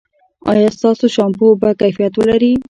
ایا ستاسو شامپو به کیفیت ولري؟